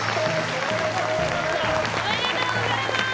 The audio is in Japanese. おめでとうございまーす！